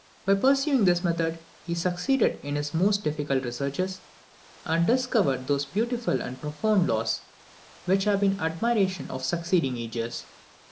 By pursuing this method, he succeeded in his most difficult researches, and discovered those beautiful and profound laws which have been the admiration of succeeding ages.